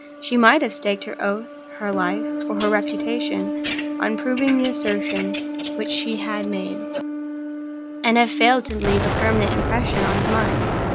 She might have staked her oath, her life, or her reputation, on proving the assertion which she had made, and have failed to leave a permanent impression on his mind.